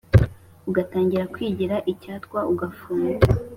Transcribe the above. Ugatangira kwigiraIcyatwa ugafunga;